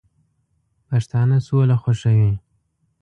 پښتانه سوله خوښوي